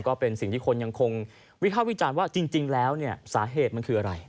ก็เป็นสิ่งที่คนยังคงวิภาควิจารณ์ว่าจริงแล้วเนี่ยสาเหตุมันคืออะไร